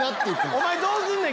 お前どうすんねん！